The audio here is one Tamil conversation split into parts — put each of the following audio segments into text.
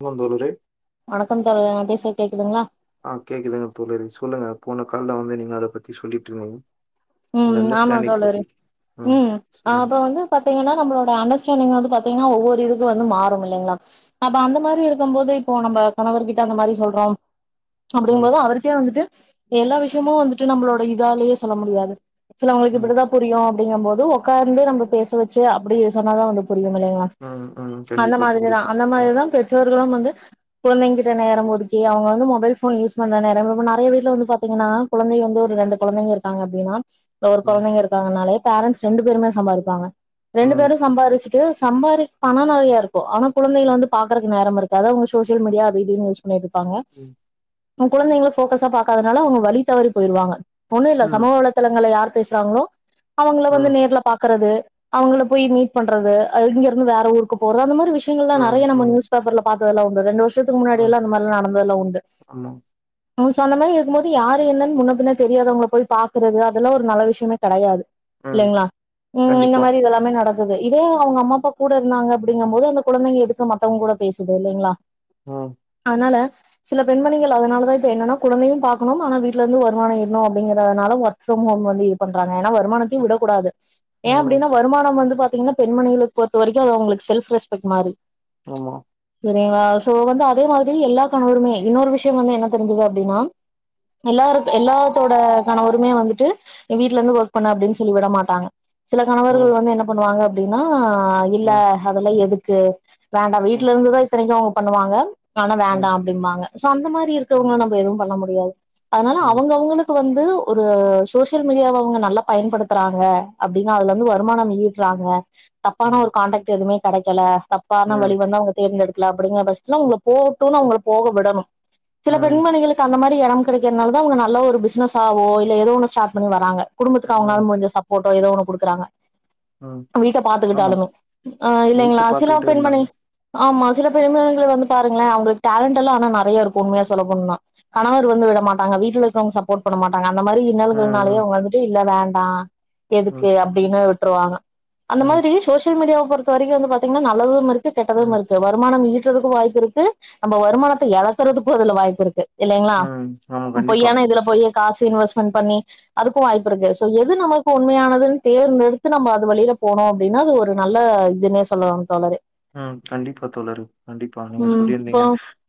[unintelligible] தோழரே வணக்கம் தோழரே நா பேசறது கேக்குதுங்ளா ஆ கேக்குதுங்க தோழரே சொல்லுங்க போன கால்ல வந்து நீங்க அத பத்தி சொல்லிட்ருந்தீங்க இந்த ம் ஆமா அண்டர்ஸ்டாண்டிங் தோழரே பத்தி ம் அப்ப வந்து பாத்தீங்னா நம்மளோட அண்டர்ஸ்டாண்டிங் வந்து பாத்தீங்னா ஒவ்வொரு இதுக்கு வந்து மாறும் இல்லைங்ளா அப்ப அந்த மாரி இருக்கம்போது இப்போ நம்ம கணவர்கிட்ட அந்த மாரி சொல்றோ அப்டிங்கு ம் போது அவருக்கே வந்துட்டு எல்லா விஷயமு வந்துட்டு நம்ளோட இதாலே சொல்ல முடியாது சிலவங்களுக்கு ம் இப்டிதா புரியு அப்டிங்கும் போது ஒட்காந்து நம்ம பேச வச்சு அப்டி சொன்னாதான் வந்துபு புரியுமில்லையா ம் ம் அந்த கண்டிப்பா மாதிரிதான் கண்டிப்பா அந்த ம் மாதிரிதான் பெற்றோர்களும் வந்து குழந்தைங்கிட்ட நேரம் ஒதுக்கி அவுங்க வந்து மொபைல் போன் யூஸ் பண்ற நேரம் நறைய வீட்டுல வந்து பாத்தீங்கன்னா குழந்தை வந்து ஒரு ரெண்டு குழந்தைங்க இருக்காங்க அப்டின்னா ஒரு ம் குழந்தைங்க இருக்காங்கனாலே பேரண்ட்ஸ் ரெண்டு பேருமே சம்பாரிப்பாங்க ரெண்டு ம் பேரும் சம்பாரிச்சு ட்டு சம்பாரிப் பணம் நறையா இருக்கும் ஆனா குழந்தைகள வந்து பாக்றகு நேரம் இருக்காது அவுங்க சு சோசியல் மீடியா அது இதும் யூஸ் பண்ணிட்ருப்பாங்க ம் குழந்தைங்களு ஃபொக்கஸா பாக்கதநால அவுங்க வழிதவரி பொய்ருவாங்க ஒண்ணும் இல்ல ம் சமுக வலத் ஹலோ யார் பேசுறாங்களோ அவுங்கள வந்து ம் நேர்ல பாக்குறது அவுங்கள போயி மீட் பண்றது அ இங்க இருந்து வேற ஊருக்கு போறது அந்த மாதிரி விஷ் ஷ்ங்களல ம் நறையா நம்ம ம் நியூஸ் பேப்பர்ல பாத் டொய்ல அவுங்க ரண்டு வர்ஷ் வர்சத்துக்கு ம் முன்னாடிஎல்லா அந்த மாரிலா நடந்ததெல்லா உண்டு ஆமா அவுங்க சொன்ன மாரி இருக்கும் போது யாருஎன்னன்னு முன்ன பின்ன தெரியாதவங்கல போய் பாக் க்கிறது அதெல்லா ஒரு நல்ல விஷயமே கெடயாது ம் இல்லைங்களா ஹும் இந்த கண்டிப்பா மாரி இதெல்லாமே நடக்கு தது இதோ அவுங்க அம்மா அப்பா கூட இருந்தாங்க அப்டிங்கும் போது அந்த குழந்தைங்க எதுக்கு மத்தவங்க கூட பேசுது இல்லைங்களா ஹம் அதனால சில பெண்மணிகள் அதனால தான் இப்ப என்னன்னா குழந்தையும் பாக்குணும் ஆனா வீட்டில இருந்து வருமானம் ஈட்ணும் அப்டிங்கறதனால ஒர்க் ஒர்க்ஃப்ரொ ஓம்வந்து இது பண்றாங்க ஏன்னா வருமானத்தையு விடகூடாது ஸ் ஏன் ம் அப்டின்னு வருமானம் வந்து பாத் பத்தீங்கன்னா பெண்மணிங்களுக்கு பொர்த்த வரைக்கு அது அவுங்களுக்கு செல்ஃப் ரெஸ்பெக்ட் மாறி ஆமா செரிங்களா சோ வந்து அதே மாதிரி எல்லா கணவருமே இன்னொரு விஷ்யோ வந்து என்ன தெரிஞ்சது அப்டின்னா எல்லாருக் எல்லாத்தோட கணவ மட்டுமே வந்துட்டு வீட்டுல இருந்து ஒர்க் பண்ணு அப்டின்னு சொல்லி விட மாட்டாங்க சில ம் கணவர்கள் வந்து என்ன பண்ணுவாங்க அப் அப்டினா ஹ இல்ல ம் ஹதெல்லா எதுக்கு க வேண்டாம் ம் வீட்டுல இருந்துதான் இத்தனைக்கு அவ் பண்ணுவாங்க அதுனால, ம் வேண்டாம் அப்டிம்பாங்க சோ அந்தமாரி சுத்தி இருக்கவங்க நம்ம எதுவும் பண்ண முடியாது அதனால ம் அவங்கவுங்களுக்கு வந்து இது ஒரு சோசியல் மீடியாவ அவுங்க நல்லா பயன்படுத்துறாங்க அப்டின்னா அதுல இருந்து வருமானம் ஈட்டுறாங்க தப்பான ம் ஒரு கான்டக்ட் எதுவுமே கெடைக்கல ம் ம் தப்பான வழி ம் வந்து அவுங்க தேர்ந்தெடுக்க அப்படிங்கற பட்சதல உங்க போகட்டும்ன்னு அவுங்கள போக விடணும் சில பெண்மணிகளுக்கு அந்த மாரி இடம் கிடைக்கிறதுனால தான் உங்களுக்கு நல்ல ஒரு பிசினஸ் ஆவோ எதோ ஒன்னு ஸ்டார்ட் பண்ணி வராங்க குடும்பத்து ம் அவுங்களால முடிஞ்ச சப்போர்ட் ஏதோ ஒன்னு குடுக்குறாங்க ம் வீட்ட ஆமா பாத்துக்கிட்டாலுமே அ வீட்ட இல்லைங்களா? சில பாத்துக்கிட்டே பெண்மணி இருந்தாங்க ஆமா சில பெ வந்து பாருங்கள அவுங்க டேலண்ட்ல்லாம் ஆனா நறைய இருக்கும் உண்மையா சொல்லண்ணும்னா கணவர் வந்து விட மாட்டாங்க வீட்டுல இருக்கவங்க சப்போர்ட் பண்ண மாட்டாங்க அந்த மாரி ம் இன்னல்கள்னாலே ம் அவுங்க வந்துட்டு இல்ல வேண்ட ஆ ம் எதுக்கு அப்டின்னு விட் விட்ருவாங்க அந்த ம் மாரி சோசியல் மீடியா பொறுத்த வரைக்கும் வந்து பாத்திங்கன்னா நல்லதும் இருக்கு கெட்டதும் ம் இருக்கு வருமானம் ஈட்டு க்கும் வாய்ப்பு இருக்கு நம்ம வருமானத்த இழக்குறதுக்கும் வாய்ப்பு இருக்கு இல்லைங்களா ம் ஆமா கண்டிப்பா பொய்யானா இதுல போய் காசு இன்வெஸ்ட்மெண்ட் பண்ணி அதுக்கும் வாய்ப்பு இருக்கு எது நமக்கு உண்மையானதுனு தேர்ந்தெடுத்து நம்ம அது வழியில போனோம் அப்டின்னா அது ஒரு நல்ல இதுனு சொல்லாம் தோழரே ம். கண்டிப்பா தோழரே. கண்டிப்பா நீங்க ம் இப்போ சொல்லியிருந்தீங்க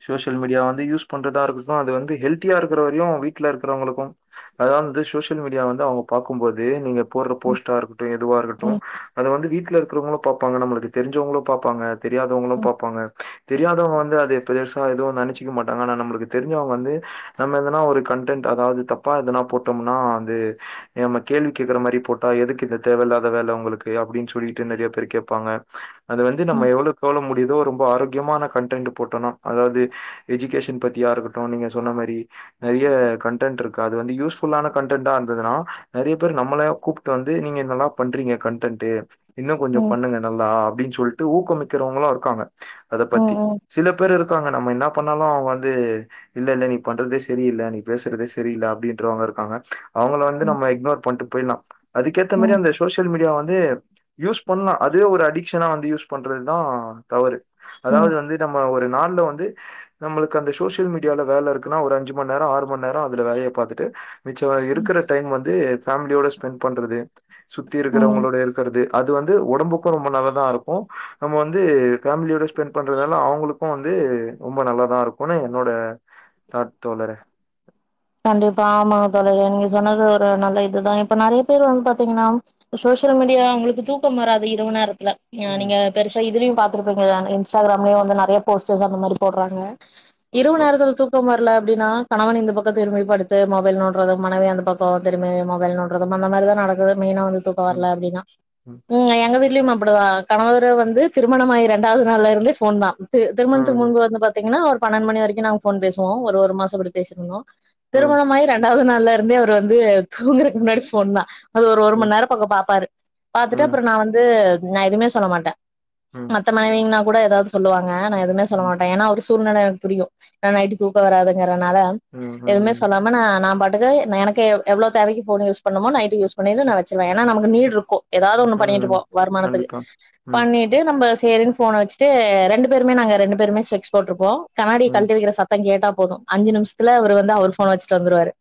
சோசியல் மீடியா வந்து யூஸ் பண்றதா இருக்கு அது வந்து ஹெல்தியா இருக்கிற வரையும் வீட்ல இருக்கிறவங்களுக்கும் அதந்து சோசியல் மீடியா வந்து அவுங்க பாக்கும்போது நீங்க போடுற போஸ்ட்டா இருக்கட்டும் எதுவா இருக்கட்டும் ம் அது வந்து வீட்ல இருக்க வங்களும் பாப்பாங்களும் நம்மளுக்கு தெரிஞ்சவங்களும் பாப்பாங்க தெரியாதவங்களும் பாப்பாங்க தெரியாதவங்க வந்து அது பெரிசா எதுவும் நனுச்சிக்க மாட்டாங்க ஆனா நம்மளுக்கு தெரிஞ்சவங்க வந்து நம்ம எதுனா ஒரு கன்டென்ட் அதாவது தப்பா எதுனா போட்டோம்னா வந்து நம்ம கேள்வி கேக்குற மாரி போட்டா எதுக்கு இந்த தேவையில்லாத வேல உங்களுக்கு அப்பிடின்னு சொல்லிட்டு நறைய பேர் கேப்பாங்க அது வந்து நம்ம ம் எவ்ளோவுக்கெவ்வளோ முடியுமோ ஏதோ ரொம்ப ஆரோக்கியமான கண்டன்ட் போட்டோ நம் அதாவது எஜுகேஷன் பத்தியா இருக்கட்டும் நீங்க சொன்ன மாரி நெறைய கன்டென்ட்ருக் க்கு அது வந்து யூஸ்ஃபுல்லான கண்டென்ட்டா இருந்ததுன்னா நெறைய பேர் நம்மளய கூப்ட்டு வந்து நீங்க நல்லா பண்றீங்க கண்டென்ட்டு இன்னும் கொஞ்சோ ம் பண்ணுங்க நல்லா அப்டின்னு சொல்ட்டு ஊக்கம் மிக்கறவங்களு இருக்காங்க அத பத்தி ம் சில பேர் இரு க்காங்க நம்ம என்ன பண்ணாலு அவங்க வந்து இல்ல இல்ல நீ பண்றதே செரியில்ல நீ பேசுறதே செரியில்ல அப்டின்றவங்க இருக்காங்க அவங்கள வந்து ம் ம் நம்ம இக்னோர் பண்ட்டு போயிலா அதுக்கேத்த மரி ம் அந்த சோஷியல் மீடியா வந் து யூஸ் பண்லா அதுவே ஒரு அடிக்ஷனா வந்து யூஸ் பண்றது தா தவறு ம் அதாவது வந்து நம்ம ஒரு நாள்ல வந்து நம்ளுக்கு அந்த சோஷியல் மீடியால வேல இருக்குனா ஒரு அஞ்சு மண் நேரொ ஆறு மண் நேரொ அதுல வேலைய பாத்துட்டு மிச்சம் இருக்குற டைம் வந்து ஃபமிலியோட ஸ்பெண்ட் பண்றது சுத்தி ம் இருக்றவங்களோட இருக்கறது அது வந்து ஒடம்புக்கு ரொம்ப நல்லதாருக் க்கு நம்ம வந்து ஃபமிலியோட ஸ்பெண்ட் பண்றதால அவங்களுக்கு வந்து ரொம்ப நல்லாதாருக்குனு என்னோட தாட் தோழரே கண்டிப்பா ஆமா தோழரே நீங்க சொன்னது ஒரு நல்ல இதுதா இப்ப நறைய பேர் வந்து பாத்தீங்னா சோஷியல் மீடியா உங்ளுக்கு தூக்கம் வராது இரவு நேரத் தில ம். நீங்க பெருசா இதுலயு பாத்துருப்பீங்க தானே இன்ஸ்டாகிராம்லயு வந்து நெறைய போஸ்டர்ஸ் அந்த மாரி போட்றாங்க இரவு கண்டிப்பா. நேரத்துல தூக்கம் வர ல எப்டினா கணவன் இந்த பக் திரும்பிப்படுத்து மொபைல் நோண்ட்றது மனைவி அந்த பக்கொ திரும்பி மொபைல் நோண்ட்றது அந்த மாரி தா நடக்குது மெய்னா வந்து தூக்கம் ம். வரல அப்டின்னா ம் எங்க வீட் லயு அப்டி தா கணவரு வந்து திருமணமாயி ரெண்டாவது நாள்லருந்தே ஃபோன் தா தி திருமணத்துக்கு ம். முன்பு வந்து பாத்தீங்கனா ஒரு பன்னெண் மணி வரைக்கு நாங்க ஃபோன் பேசுவோ ஒரு ஒரு மாசோ இப்டி பேசிட்ருந்தோ ம். திருமணமாயி ரெண்டாவது நாள் ல்லருந்தே அவர் வந்து தூங்குறக்கு முன்னாடி ஃபோன் தா அது ஒரு ம். ம். மண்நேரம் பக்கம் பாப்பாரு பாத்துட்டு ம். அப்ற நா வந்து நா எதுவுமே சொல்ல மாட்ட ம். மத்த மனைவிங்னா கூட எதாவது சொல்லுவாங்க நா எதுமே சொல்ல ம். மாட்ட ஏனா அவுரு சூழ்நிலை எனக்கு புரியும் ஏன்னா நைட்டு் தூக்க வராதுங்கறனால ம். எதுவுமே ம் சொல்லாம நா நான் பா எனக்கு எவ்வளவு தேவைக்கு போன் யூஸ் பண்ணமோ நைட் யூஸ் பண்ணி நான் வச்சுருவேன் ஏன்னா நமக்கு நீட் இருக்கும் ஏதாவது ஒண்ணு ம், பண்ணிட்டு ம். இருப்போம் வருமானத்துக்கு கண்டிப்பா. ம், பண்ணிட்டு நம்ம சரின்னு போன வச்சுட்டு ரெண்டு பேருமே நாங்க ரெண்டு பேருமே ஸ்பெக்ஸ் போட்டுருப்போம் கண்ணாடிய ம், கழட்டிவைக்கிற சத்தம் கேட்டா போதும் அஞ்சு நிமிசம் இல்ல அவரு வந்து அவர் போன வச்சுட்டு வந்துருவாரு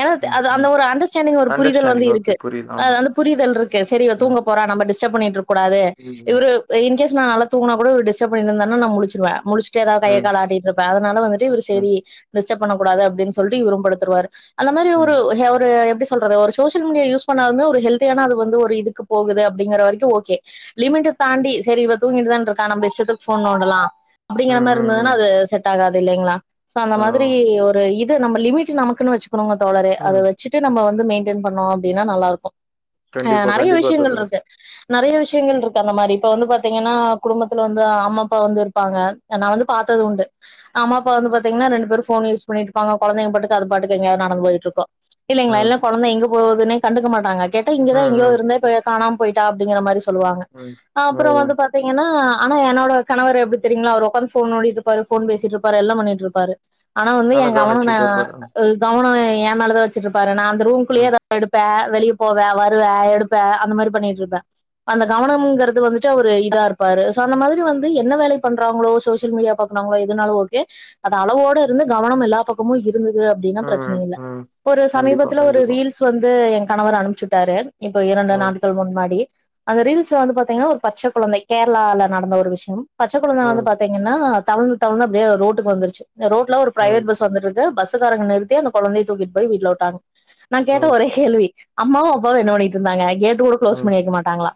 ஏன்னா ம், அந்த ம். ஒரு அண்டர்ஸ்டாண்டிங் ஒரு புரிதல் வந்து அண்டர்ஸ்டாண்டிங் ஓகே இருக்குது புரியுது. ஆமா. வந்து புரிதல் இருக்கு சரி ம், தூங்க போற நம்ம டி [unintelligible] பண்ணி இருப் கூடாது ம், ம், இவரு இன் கேஸ் நான் நல்லா தூங்குனா கூட இவரு டிஸ்டர்ப் பண்ணிருந்த நான் முழுச்சிருவேன் முழுச்சு ஏதாவது கைய ம், கால ஆட்டிட்டு இருப்பே அதனால வந்துட்டு இவரு ம், சரி பண்ணக்கூடாது அப்டின்னு சொல்ட்டு இவரும் படுத்துருவரு அந்த மாதிரி ம், ஒருஹ ஒரு எப்டி சொல்றது ஒரு சோசியல் மீடியா யூஸ் பண்ணாலுமே ஹெல்தியான அது வந்து ஒரு இதுக்கு போகுது அப்டிங்கற வரைக்கும் ஓகே லிமிட் தாண்டி சரி இவ தூங்கிதான் இருக்க நம்ம இஷ்டத்துக்கு போன் நோண்டலாம் ம், அப்டிங்கிற மாதிரி ம், இருந்ததுனா ம். அது செ ஆகாது இல்லைங்களா சோ அந்த ஆ, மாதிரி ஒரு இது நம்ம லிமிட் நமக்குன்னு வச்சுட்டு ங்க தோழரே அதை ம். வச்சுட்டு நம்ம வந்து வந்து மெயின்டயன் பண்ணோம் அப்டின்னா நல்லா இருக்கும் அ கண்டிப்பா, நறைய கண்டிப்பா விஷயங்கள் தோழர். இருக்கு நறைய விஷயங்கள் இருக்கு அந்த மாதிரி இப்ப வந்து பாத்தீங்கன்னா குடும்பத்துல வந்து அம்மா அப்பா வந்து இருப்பாங்க நான் வந்து பாத்தது உண்டு அம்மா அப்பா வந்து பாத்தீங்கன்னா ரெண்டு பேரும் போன்யூஸ் பண்ணிருப்பாங்க கொழந்தைங்க பாத்து அது பாத்து எங்காவது நடந்து போயிட்டு இருக்கும் இல்லைங்களா ம், இல்ல கொழந்த எங்க போதுனே கண்டுக்க மாட்டாங்க கேட்ட ம், இங்கதான் எங்கயோ ம், இருந்த கானாம போயிட்டா அப்டிங்க மாதி சொல்லுவாங்க ம். ஓ! அப்புறம் வந்து பாத்தீங்கன்னா ஆனா என்னோட கணவர் எப்டி தெரியுங்களா அவர் உக்காந்து போன் நோன்டிட்டு இருப்பாரு போன் பேசிட்டு இருப்பாரு எல்லாம் பண்ணிட்டுப்பாரு ஆனா வந்து நல்லா என் கவனம் ந கவனிச்சுட்டு இருப்பாரு. கவனம் ஏ மேலதான் வச்சிருப்பாரு நான் ரூம் குள்ளியே ம், தான் எடுப்பேன் வெளியே போவே வருவே எடுப்ப அந்த மாரி பண்ணிட்டு இருப்பே அந்த கவனம்குறது வந்துட்டு அவரு இதா இருப்பாரு சொ அந்த மாதிரி வந்து என்ன வேலை பண்றாங்களோ சோசியல் மீடியா பாக்குறாங்களோ எதுனாலு ஓகே அத அளவோட இருந்து கவனம் எல்லா பக்கமு இரு இருந்தது அப்டின்னா ம், ம், பிரச்சன இல்லை ம். ஒரு கண்டிப்பா, சமீபத்துல ஒரு கண்டிப்பா. ரீல்ஸ் வந்து எங் கணவர் அனுப்ச்சுட்டாரு இப்போ இரண்டு ம், நாட்கள் முன்னாடி அந்த ரீல்ஸ்ல வந்து பாத்தீங்கன்னா ஒரு பச்ச குழந்தை கேரளால நடந்த ஒரு விஷயம் பச்சக்கொழந்த வந்து ம், பாத்தீங்கன்னா தவழ் து வந்து அப்டியே ரோட்டுக்கு வந்துருச்சு ரோட் ல ஒரு பிரைவேட் ம், பஸ் வந்துட்றுக் கு பஸ்ஸுக்காரங்க நிறுத்தி அந்த கொழந்தைய தூக்கிட்டு போய் வீட்ல விட்டாங்க நா கேட்ட ம், ஒரே கேள்வி அம்மாவு அப்பாவு என்ன பண்ணிட்டு இருந்தாங்க கே ட்டு கூட குளோஸ் ம். பண்ணி வைக்க மாட்டாங்களா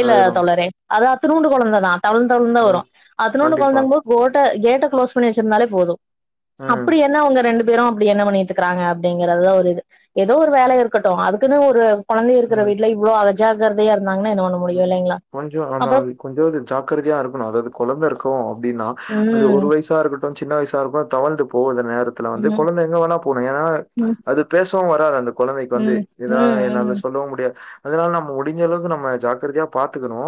இல்ல அதேதான். தொழரே அதா இந்துநூண்டு கொழந்ததா தவழ்ந்து தவழ்ந்து தா வரு ம். அதுநூண்டு கண்டிப்பா. குழந்தாங்க போது கோட்ட கே ட க்ளோஸ் பண்ணி வெச்சிருந்தாலே போது ம், அப்டி என்ன அவங்க ரெண்டு பேரு அப்டி என்ன பண்ணிட்டுறுக்குறாங்க அப்டிங்கறதா ஒரு இது ஏதோ ஒரு வேல இருக்கட்டு அதுக்குன்னு ஒரு கொழந்த இருக்குற ம். வீட்டுல இவ்ளோ அல ஜாக்றதையா இரு ம் கொஞ்சொ ஆனா அது கொஞ்சோண்டு ஜாக்கிரதையா இருக்கணு அதாவது கொழந்த இருக்கு அப்டின்னா அது ஒரு ம் வயசா இருக்கட் டு சின்ன வயசா இருக்கொ அது தவழ்ந்து போகுது நேரத்துல வந்து ம் கொழந்த எங்க வேணா போனு ஏன்னா ம் அது பேச் சவுவராது அந்த கொழந்தைக்கு வந்து ம் இததா ம் என்னால ம் சொல்லவு முடியாது அதனால நம்ம முடிஞ்ச அளவு நம்ம ஜா குறதையா பாத்துக்கணு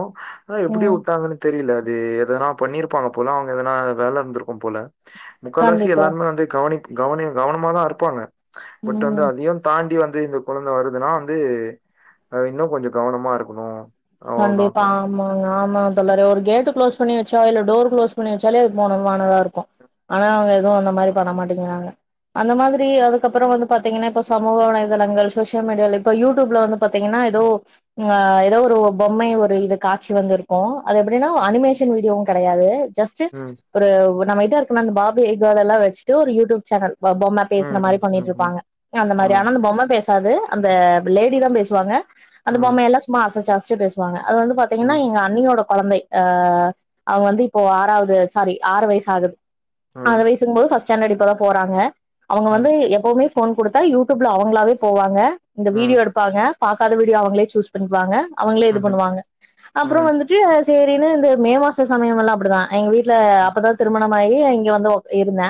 ஆ எப்டி ம் வுட்டாங்கன்னு தெரில இது எதனா பண்ணிருப்பாங்க போல அவங்க எதனா வேல இருந்திருக்கும் போல முக்கால்வாசி கண்டிப்பா எல்லாருமே வந்து கவனி கவனி கவனமாதா இருப்பாங்க பட் வந்து ம் அதையு தாண்டி வந் து இந்த கொழந்த வருதுன்னா வந்து அ இன்னு கொஞ்சொ கவனமா இருக்கணு கண்டிப்பா ஆமாங்க ஆமா தொல்லரொ ஒரு கேட்டு க்ளோஸ் பண்ணி வச்சா இல்ல டோர்க்ளோஸ் பன்னி வச்சாலே அது போனதுவானதா இருக்கு ஆனா அவ்ங்க தொ அந்த மாரி ப தோழி. பண்ணமாட்டேங்கிறாங்க அந்த மாதிரி அதுக்கப்புறோ வந்து பாத்தீங்கன்னா இப்ப சமூக வலைதளங்கள் சோசியல் மீடியால இப்ப யூடியூப்ல வந்து பாத்தீங்கன்னா ஏதோ ஆ ஏதோ ஒரு பொம்மைய ஒரு இது காட்சி வந்திருக்கு அது எப்டினா அனிமேஷன் வீடியோஉ கெடையாதெ ஜஸ்டு ம் ஒரு ஒர் நம்மக்கிட்ட இருக்குமே அந்த பார்பி கேள்ல்லா வச்சுட்டு ஒரு யூடியூப் சேனல் பொ பொம்ம பேசுற ம் ம் மாரி ம் பண்ணிட்டு ம் இருப்பாங்க அந்த மாரி ஆமா ஆனா அந்த பொம்ம பேசாது அந்த லேடி தா பேசுவாங்க அந்த ம் பொம்மயலா சும்மா அச னுரு சான்ஸ் ச்சுபேசுவாங்க அது வந்து பாத்தீங்கன்னா ம் எங்க அண்ணியோட கொழந்தை அஹ் அவ வந்து இப்போ ஆறாவது சாரி ஆறு வயசு ஆகுது ஆறா ம் வய்சுங்ம்போது ஃபஸ் ஜண்னர்ட்டு இப்பதா போறாங்க அவுங்க ம் வந்து எப்பவுமே போன் கொடுத்தா யூடியூப்ல அவுங்களாவே போவாங்க இந்த ம் வீடியோ எடுப்பாங்க பாக்காத வீடியோ அவுங்களே சூஸ் பண்ணிக்வாங்க அவுங்களே இது ம்ஹ்ம் பண்ணுவாங்க அப்புறோ ம் வந்துட்டு செரின்னு இந்த மே மாச சமயமேல்லா அப்டிதா எங்க வீட்டுல ம் அப்பதா திருமண மாயி இங்க வந்து உட் இருந்தே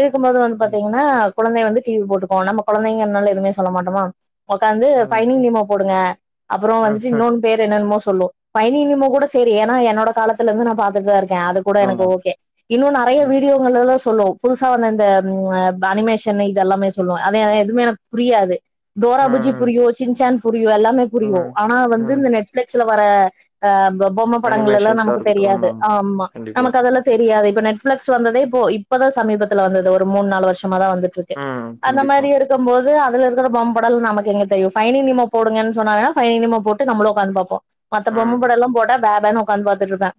இருக்கும்போது வந்து ம் ம் பாத்தீங்கன்னா குழந்தை வந்து டிவி போட்டுக்கோ நம்ம கொழந்தைங்கனால எதுவுமே சொல்ல மாட்டமா உடக்காந்து ம் ஃபைனிங் நிமோ போடுங்க அப்புறோ ஆமா ம் வந்துட் இன்னொன் பேர் என்னன்மோ சொ சொல்லு பயனினிமொ கூட செரி ஏன்னா என்னோட காலத்துலருந்து நா பாத்துட்டுதா இருக் அது கூட எனக்கு ஓகே இன்னு நெறைய வீடியோங்களல்லா சொ சொல்லுவோ புதுசா வந்த இந்த அனிமேஷன் இது எல்லாமே சொல்லுவா ஆனா அது எதுவுமே எனக் புரியாது டோராபுஜி ம் புரியு சின் ஜான் [unintelligible] எல்லாமே ம் புரியு ம் ஆ வந்து ம் இந்த நெட்ஃபிளக்ஸ் சில வர ஆ பொம்ம படங்கள் எல்லா அனிமேஷன்ஸா நமக்கு இருக்கட்டும் தெரியாது ஆமாமா ஆமா கண்டிப்பா நமக்கு அதெல்லா தெரியாது நெட்ஃப்ளக்ஸ் வந்ததே இப்ப இப்பதா சமீபத்துல வந்தது ஒரு மூன் நால் வர்ஷ நம்மதா வந்துட்ருக்கு ம் அந்த கண்டிப்பா மாரி இருக்கம் போது அ இதுலருக்குற பொம்படல்லா நமக்கெங்க தெரியு ஃபைனிங் நீமோ போடுங்கன் சொன்னா வேணா ஃபைனிங் போட்டு நம்ளு உக்காந்து பாப்போ மத்த பொம்ம ம் படல்லா போட்டா பே பேன்னு உக்காந்து பாத்து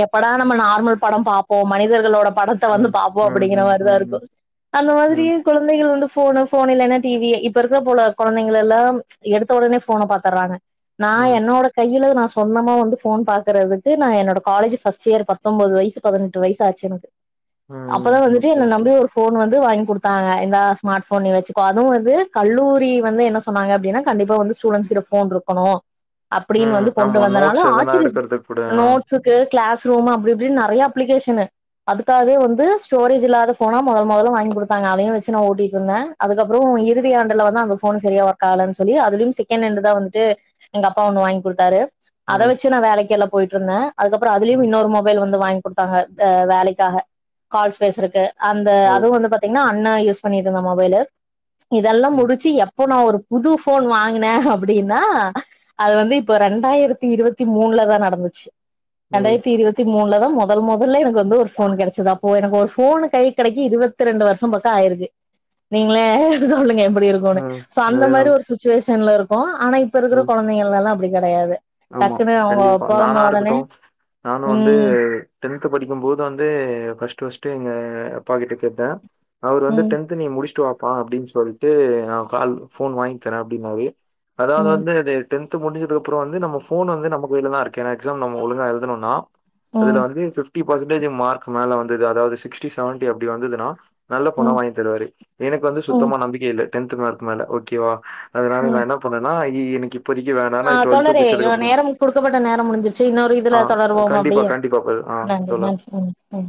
[unintelligible] எப்படா நம்ம நார்மல் படொ பாப்போ மனிதர்களோட படத்த வந்து ம் பாப்போ ம் அப்டிங்கிற ம் ம் மாரிதாருக்கு ம் அந்த ம் மாதிரியே கொழந்தைகள் வந் ஃபோனு ஃபோனு இல்லனா டிவி இப்பருக்குற போல கொழந்கலெல்லா எடுத்த ஒடனே ஃபோன பாத்துர்றாங்க நா ம் என்னோட [unintelligible] நா சொ சொந்தமா வந்து ஃபோன் பாக்குறதுக்கு நா என்னோட காலேஜ் ஃபஸ்ட் இயர் பத்தொம்பது வயசு பதினெட்டு வயசாச்சு எனக்கு ம் அப்பதா வந்துட்டு ஓகே என்ன ஓகே நம்பி ஒரு ஃபோன் வந்து வாங்கி குடுத் ஆ இந்தா ஸ்மார்ட் ஃபோன் நீ வச்சுக்கோ அதுவு ந்து ம் கல்லூரி வந்து என்ன சொ சொன்னாங்க அப்டீன்னா கண்டிப்பா வந்து ஸ்டூடண்ஸ் கிட்ட ஃபோன் ருக் க்கணு அப்டின் ம் வந்து கொண்டு ஆமா வந்தனால நோட்ஸ் எதனா ஆச்சரிய எடுக்கறதுக்கு கூட ஆ நோட்ஸுக்கு கிளாஸ் ரூம் அப்டி இப்டின் நறையா அப்ளிகேஷன்னு அதுக்காகவே வந்து ஸ்டோரேஜ் இல்லாத ஃபோனா மொத மொதல்ல வாங்கி குடுத்தாங்க அதையு வச்சு நா ஓட்டிட்ருந்தே அதுக்கப்ற இறுதி ஆண்டுல வந்து அந்த ஃபோன் சரியா ஒர்க் ஆகலன்னு சொல்லி அதுலயு செகண்ட் ஹேண்டு தா வந்துட்டு எங்க அப்பா ஒண்ணு வாங்கி குடுத்தாரு அத ம் வச்சு நா வேலைக்கில்ல போய்ட்ருந்த அதுக்கப்ற அதுலயு ம் இன்னொரு மொபைல் வந்து வாங் குடுத்தாங்க வேலைக்காக கால்ஸ் பேசுறக்கு அந்த ஓ அதுவு வந்து பாத்தீங்னா அண்ண யூஸ் பண்ணிட்ருந்த மொபைலு இதெல்லா ம் முடிச்சு எப்போ நா ஒரு புது ஃபோன் வாங்குன அப்டின்னா அது வந்து இப்ப ரெண்டாயிரத்தி இருவத்தி மூண்லதா நடந்துச்சு ம் ம் ரெண்டாயிரத்தி இருவத்தி மூண்ல தா முதல் முதல்ல எனக்கு வந்து ஒரு ஃபோன் கெடைச்சது அப்போ எனக்கு ஒரு ஃபோன் கைக் கெடைக்க இருவத்தி ரெண்டு வருஷம் பக்க ஆயிருக்கு நீங்களே சொல்லுங்க இப்ப இருக்கொணு சொ அந்த மாரி அதேதான் ஒரு சுச்சிவேஷ் ஷன்ல இருக்கோ ஆனா எ இப்பொ இருக்குற ம் கொழந்தைகள் எல்லா அப்டி கெடையாது ஆமா கண்டிப்பா நானா இருக்கட்டோ நானு வந்து ம் டென்த் படிக்கும் போது வந்து ஃபஸ்ட்டு ஃபஸ்ட் டு எங்க அப்பாகிட்ட கேட்டே அவர் வந்து ம் டென்த் நீ முடிட்ச்டு வாப் பா அப்டின்னு சொல்ட்டு நா கால் ஃபோன் வாங்கி தரே அப்டின்னாரு அதாவது ம் வந்து அது டென்த் முடிஞ்சதுக்கு அப்புறோ வந்து நம்ம ஃபோன் வந்து நம்ம கைல தா இருக்கு என்னா எக்சாம் நம்ம ஒழுங்கா எழுதணும்னா அதுல ம் வந்து ஃபிஃப்டி பர்சன்டேஜ் மார்க் மேல வந்தது அதாவது சிக்ஸ்டி செவன்டி அப்டி வந்ததுன்னா நல்ல ஃபோனா ம் வாங்கி தருவாரு எனக்கு வந்து ம் சுத்தமா நம்பிக்க இல்ல டென்த் மார்க் மேல ஓகே வா அதனால ம் நா என்ன பண்ணேன்னா இ இ எனக்கு இப்போதைக்கு வேனா ஆ நா டூவெல்த்து தோழரே முடிச்சதுக்கு அப் நேரம் குடுக்கப்பட்ட நேரம் முடிஞ்சிருச்சு இன்னொரு ஆ இதுல தொடர்வோம் கண்டிப்பா அப்டியே கண்டிப்பா ப- ஆ நன்றி தோழா நன்றி நன்றி நன்றி